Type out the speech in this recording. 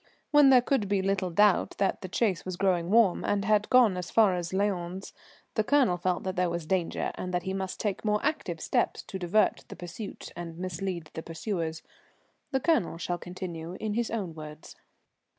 When there could be little doubt that the chase was growing warm and had gone as far as Lyons, the Colonel felt that there was danger and that he must take more active steps to divert the pursuit and mislead the pursuers. The Colonel shall continue in his own words.